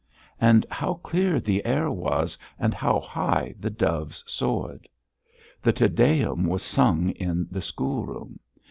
And how clear the air was, and how high the doves soared! The Te Deum was sung in the schoolroom.